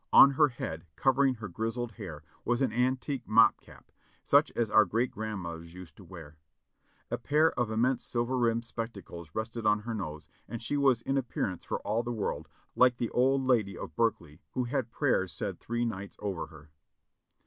On her head, covering her grizzled hair, was an an tique mob cap, such as our great grandmothers used to wear. A pair of immense silver rimmed spectacles rested on her nose and she was in appearance for all the world like the old lady of Berkeley who had prayers said three nights over her.